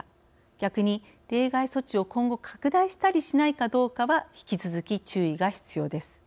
逆に、例外措置を今後、拡大したりしないかどうかは引き続き、注意が必要です。